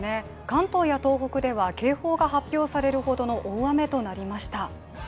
関東や東北では警報が発表されるほどの大雨となりました。